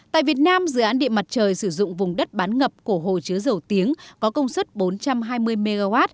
tại việt nam dự án điện mặt trời sử dụng vùng đất bán ngập của hồ chứa dầu tiếng có công suất bốn trăm hai mươi mw